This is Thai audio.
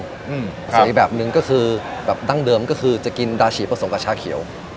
ใส่อีกแบบหนึ่งก็คือแบบดั้งเดิมก็คือจะกินดาฉี่ผสมกับชาเขียว